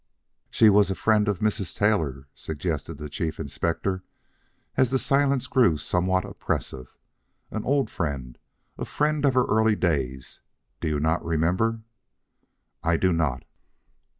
"She was a friend of Mrs. Taylor," suggested the Chief Inspector as the silence grew somewhat oppressive. "An old friend; a friend of her early days; do you not remember?" "I do not."